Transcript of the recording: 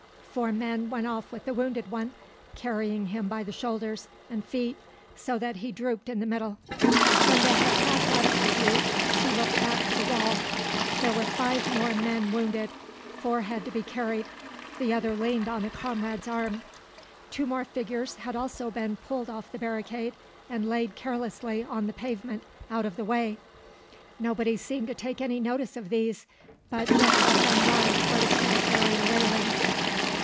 Four men went off with the wounded one, carrying him by the shoulders and feet, so that he drooped in the middle. When they had passed out of her view, she looked back to the wall. There were five more men wounded; four had to be carried, the other leaned on a comrade's arm. Two more figures had also been pulled off the barricade, and laid carelessly on the pavement out of the way. Nobody seemed to take any notice of these, but just let them lie close to the area railings.